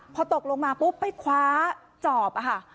พอตกลงมาปุ๊บไปคว้าจอบค่ะ